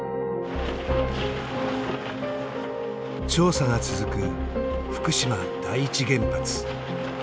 調査が続く福島第一原発。